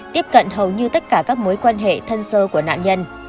tiếp cận hầu như tất cả các mối quan hệ thân sơ của nạn nhân